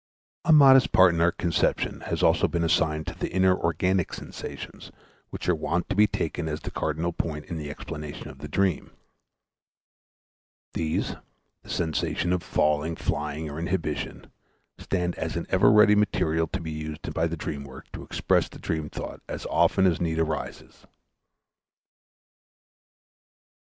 A modest part in our conception has also been assigned to the inner organic sensations which are wont to be taken as the cardinal point in the explanation of the dream. These the sensation of falling, flying, or inhibition stand as an ever ready material to be used by the dream work to express the dream thought as often as need arises.